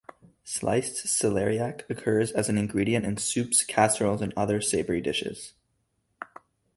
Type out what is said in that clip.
Sliced celeriac occurs as an ingredient in soups, casseroles, and other savory dishes.